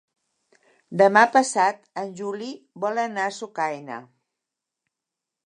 Demà passat en Juli vol anar a Sucaina.